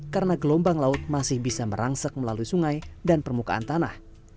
karena gelombang laut masih bisa merangsek melalui sungai dan permukaan tanah